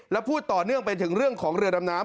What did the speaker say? แล้วพูดต่อเนื่องไปถึงเรื่องของเรือดำน้ำ